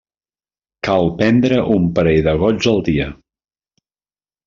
Cal prendre un parell de gots al dia.